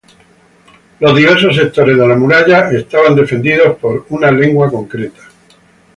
Los diversos sectores de la muralla eran defendidos por una lengua concreta.